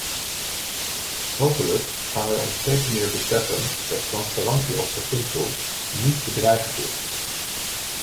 Hopelijk gaan wij ons steeds meer beseffen dat transparantie als beginsel niet bedreigend is.